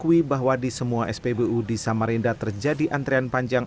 akui bahwa di semua spbu di samarinda terjadi antrian panjang